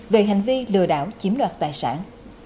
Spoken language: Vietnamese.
về hành vi lừa đảo chiếm đoạn